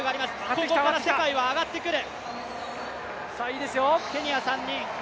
ここから世界は上がってくる。